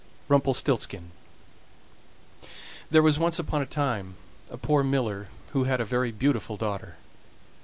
RUMPELSTILTZKIN There was once upon a time a poor miller who had a very beautiful daughter.